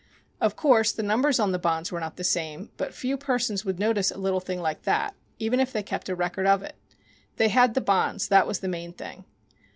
Of course, the numbers on the bonds were not the same, but few persons would notice a little thing like that, even if they kept a record of it. They had the bonds that was the main thing.